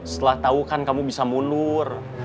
setelah tahu kan kamu bisa mundur